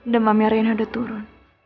demamnya rena udah turun